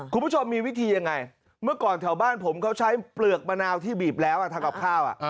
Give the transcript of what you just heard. คุณผู้ชมมีวิธียังไงเมื่อก่อนแถวบ้านผมเขาใช้เปลือกมะนาวที่บีบแล้วทำกับข้าว